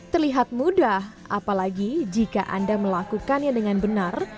terlihat mudah apalagi jika anda melakukannya dengan benar